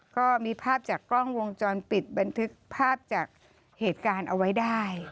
ก็มีภาพจากกล้องวงจรปิดบันทึกภาพจากเหตุการณ์เอาไว้ได้